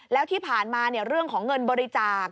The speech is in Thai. แล้วที่ผ่านมาเรื่องของเงินบริจาค